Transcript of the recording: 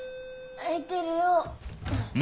開いてるよ。